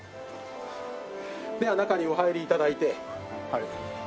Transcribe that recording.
では中にお入り頂いて。